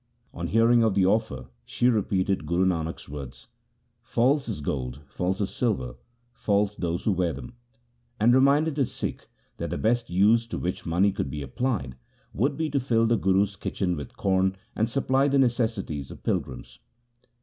On hearing of the offer she repeated Guru Nanak' s words :— False is gold, false is silver, false those who wear them ; and reminded the Sikh that the best use to which money could be applied, would be to fill the Guru's kitchen with corn and supply the necessities of pilgrims.